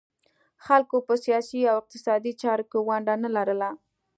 خلکو په سیاسي او اقتصادي چارو کې ونډه نه لرله